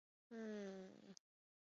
战事结束后返台。